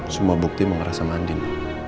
semua bukti mengerasa mandin